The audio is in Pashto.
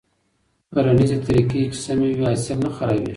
کرنيزې طريقې چې سمې وي، حاصل نه خرابېږي.